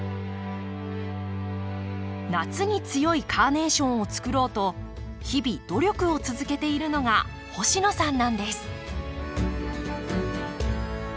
夏に強いカーネーションをつくろうと日々努力を続けているのが星野さんなんです。